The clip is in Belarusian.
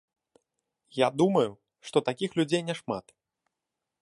Я думаю, што такіх людзей няшмат.